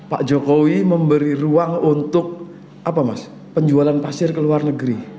pak jokowi memberi ruang untuk penjualan pasir ke luar negeri